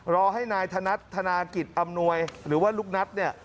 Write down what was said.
รอให้นายธนัดธนากิจอำนวยหรือว่าลูกนัทเนี่ย